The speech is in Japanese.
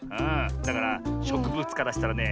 だからしょくぶつからしたらね